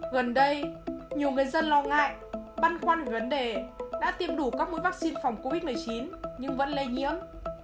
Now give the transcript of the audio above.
gần đây nhiều người dân lo ngại băn khoăn về vấn đề đã tiêm đủ các mũi vaccine phòng covid một mươi chín nhưng vẫn lây nhiễm